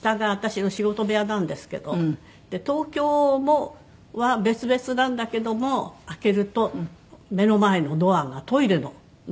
東京は別々なんだけども開けると目の前のドアがトイレのドアがある。